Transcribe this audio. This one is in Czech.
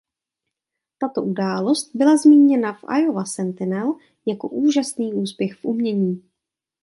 Tato událost byla zmíněna v "Iowa Sentinel" jako "„úžasný úspěch v umění“".